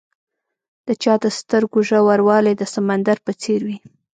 د چا د سترګو ژوروالی د سمندر په څېر وي.